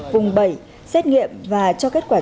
vùng bảy xét nghiệm và cho kết quả